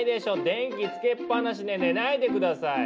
電気つけっぱなしで寝ないで下さい！